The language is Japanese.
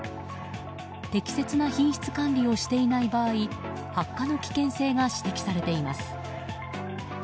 適切な品質管理をしていない場合発火の危険性が指摘されています。